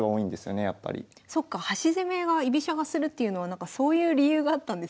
そっか端攻めが居飛車がするっていうのはそういう理由があったんですね。